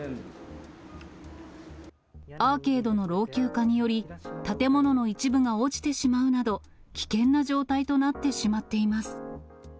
アーケードの老朽化により、建物の一部が落ちてしまうなど、危険な状態となってしまっています。